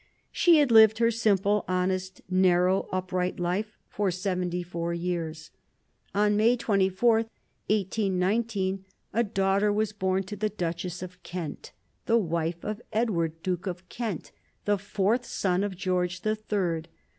She had lived her simple, honest, narrow, upright life for seventy four years. On May 24, 1819, a daughter was born to the Duchess of Kent, the wife of Edward, Duke of Kent, the fourth son of George the Third.